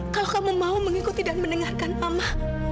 kalau kamu mau mengikuti dan mendengarkan mama